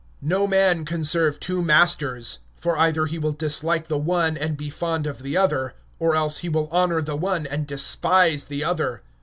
(24)No man can serve two masters; for either he will hate the one, and love the other, or he will hold to one and despise the other.